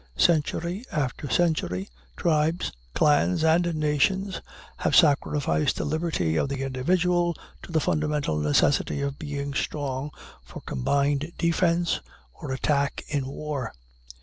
Century after century, tribes, clans, and nations have sacrificed the liberty of the individual to the fundamental necessity of being strong for combined defense or attack in war.